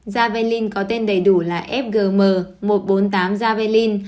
jabalin có tên đầy đủ là fgm một trăm bốn mươi tám javelin